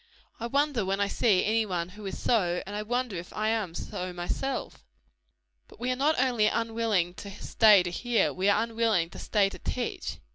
I wonder when I see any one who is so; and I wonder if I am so myself." But we are not only unwilling to stay to hear we are unwilling to stay to teach.